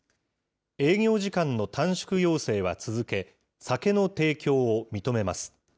営業時間の短縮要請は続け、酒の提供を認めます。